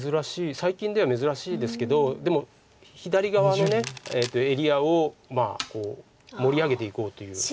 最近では珍しいですけどでも左側のエリアを盛り上げていこうという。